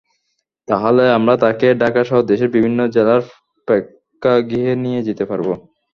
তাহলে আমরা তাঁকে ঢাকাসহ দেশের বিভিন্ন জেলার প্রেক্ষাগৃহে নিয়ে যেতে পারব।